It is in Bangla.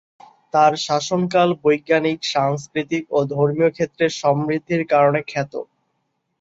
তার শাসনকাল বৈজ্ঞানিক, সাংস্কৃতিক ও ধর্মীয় ক্ষেত্রে সমৃদ্ধির কারণে খ্যাত।